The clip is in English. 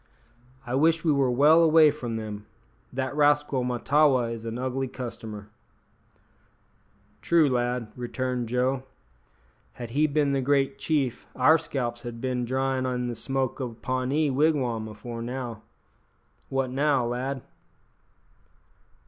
"I wish we were well away from them. That rascal Mahtawa is an ugly customer." "True, lad," returned Joe; "had he bin the great chief our scalps had bin dryin' in the smoke o' a Pawnee wigwam afore now. What now, lad?"